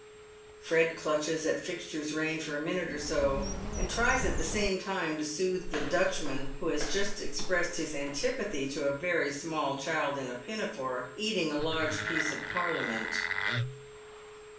Fred clutches at Fixture's rein for a minute or so, and tries at the same time to soothe the Dutchman, who has just expresssd his antipathy to a very small child in a pinafore, eating a large piece of parliament.